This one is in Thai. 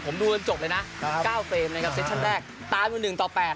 ผมดูกันจบเลยนะครับเก้าเฟรมนะครับเซชั่นแรกตามอยู่หนึ่งต่อแปด